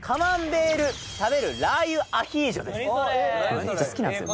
めっちゃ好きなんですよ